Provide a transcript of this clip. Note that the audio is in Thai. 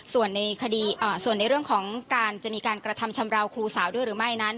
ส่วนในคดีส่วนในเรื่องของการจะมีการกระทำชำราวครูสาวด้วยหรือไม่นั้น